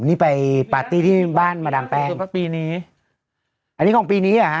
นี่ไปปาร์ตี้ที่บ้านมาดามแป้งปีนี้อันนี้ของปีนี้เหรอฮะ